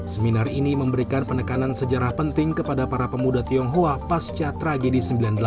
seminar ini memberikan penekanan sejarah penting kepada para pemuda tionghoa pasca tragedi sembilan puluh delapan